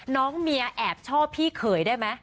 น้องเมียแอบชอบพี่เขยได้ไหม